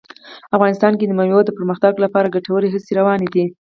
افغانستان کې د مېوو د پرمختګ لپاره ګټورې هڅې روانې دي.